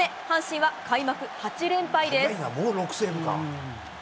阪神は開幕８連敗です。